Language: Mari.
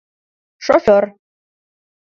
Шофёр.